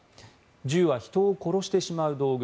銃は人を殺してしまう道具